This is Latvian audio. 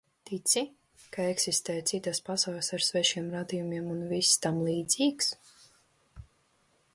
Tici, ka eksistē citas pasaules ar svešiem rādījumiem un viss tam līdzīgs?